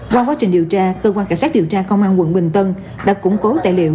qua quá trình điều tra cơ quan cảnh sát điều tra công an quận bình tân đã củng cố tài liệu